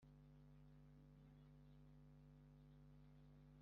mutere mu butaka bwacyo.